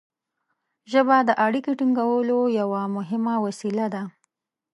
ژبه د اړیکې ټینګولو یوه مهمه وسیله ده.